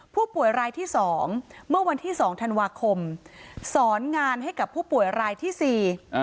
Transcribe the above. ผู้ป่วยรายที่สองเมื่อวันที่สองธันวาคมสอนงานให้กับผู้ป่วยรายที่สี่